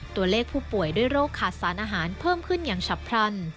ตัวเลขผู้ป่วยด้วยโรคขาดสารอาหารเพิ่มขึ้นอย่างฉับพลัน